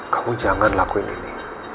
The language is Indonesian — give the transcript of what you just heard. kamu jangan lakuin ini